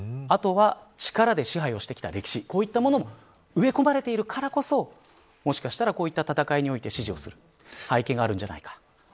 あとは、力で支配してきた歴史こういうものが埋め込まれているからこそもしかしたら、こうした戦いにおいて支持する背景があるんじゃないか。